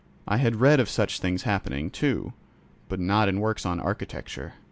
I had read of such things happening, too, but not in works on architecture.